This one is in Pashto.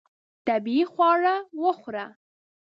طبیعي خواړه وخوره.